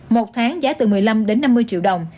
một tháng giá từ một mươi năm đến năm mươi triệu đồng